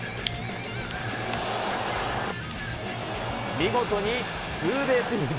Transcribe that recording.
見事にツーベースヒット。